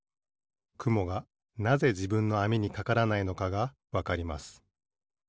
くもがなぜじぶんのあみにかからないのかがわかります。